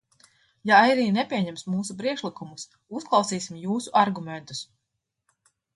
Ja arī nepieņems mūsu priekšlikumus, uzklausīsim jūsu argumentus.